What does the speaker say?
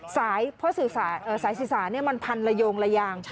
สายสื่อสารมันพันละโยงระยาง